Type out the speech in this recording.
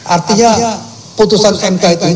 artinya putusan nmk itu